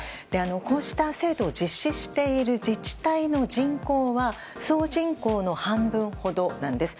こうした制度を実施している自治体の人口は総人口の半分ほどなんです。